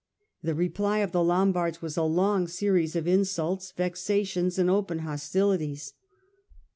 The reply of the Lombards was a long series of insults, vexations and open hostilities.